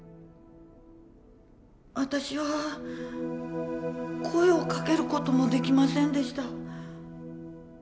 私は声をかける事もできませんでした。